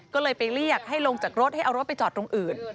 ก็เลยไปเรียกให้ลงจากรถให้เอารถไปจอดตรงอื่น